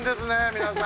皆さん。